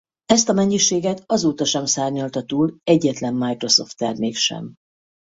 Ezt a mennyiséget azóta sem szárnyalta túl egyetlen Microsoft termék sem.